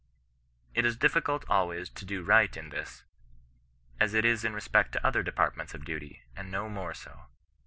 It is difficult always to do right in thisy as it is in respect to other departments of duty ; and no more so.